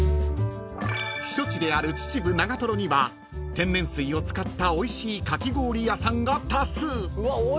［避暑地である秩父長瀞には天然水を使ったおいしいかき氷屋さんが多数］